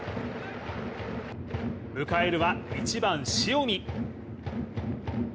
迎えるは１番・塩見。